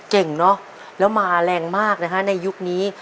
เก่งเนอะแล้วมาแรงมากนะฮะในยุคนี้